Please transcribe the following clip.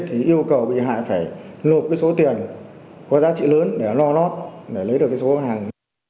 thì yêu cầu bị hại phải nộp cái số tiền có giá trị lớn để lo lót để lấy được cái số hàng